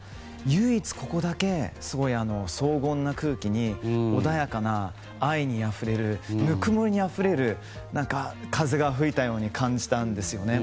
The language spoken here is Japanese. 唯一、ここだけすごい荘厳な空気に穏やかな愛にあふれるぬくもりにあふれる風が吹いたように感じたんですよね。